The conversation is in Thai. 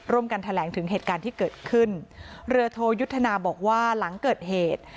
กันแถลงถึงเหตุการณ์ที่เกิดขึ้นเรือโทยุทธนาบอกว่าหลังเกิดเหตุ